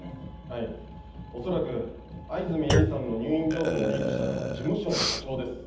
はい恐らく四十住絵理さんの入院情報をリークしたのは事務所の社長です。